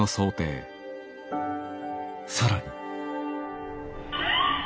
更に。